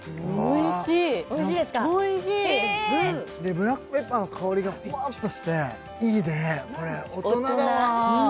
ブラックペッパーの香りがふわっとしていいねこれ大人だわおいしい！